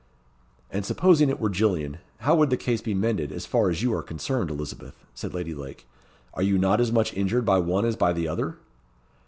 "And supposing it were Gillian, how would the case be mended, as far as you are concerned, Elizabeth?" said Lady Lake. "Are you not as much injured by one as by the other?"